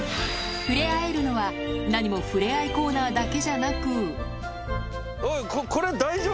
触れ合えるのは何も触れ合いコーナーだけじゃなくこれは。